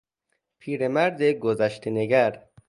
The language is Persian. پیرمرد گذشتهنگر